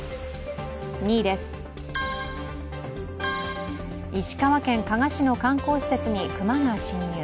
２位です、石川県加賀市の観光施設に熊が侵入。